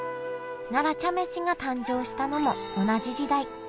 奈良茶飯が誕生したのも同じ時代。